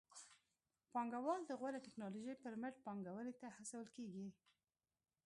پانګوال د غوره ټکنالوژۍ پر مټ پانګونې ته هڅول کېږي.